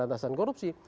tapi melawan tadi korupsi